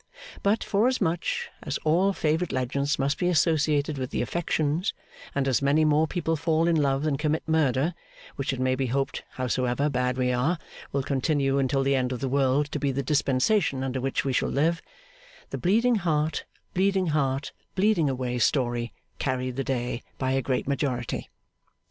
But, forasmuch as all favourite legends must be associated with the affections, and as many more people fall in love than commit murder which it may be hoped, howsoever bad we are, will continue until the end of the world to be the dispensation under which we shall live the Bleeding Heart, Bleeding Heart, bleeding away story, carried the day by a great majority.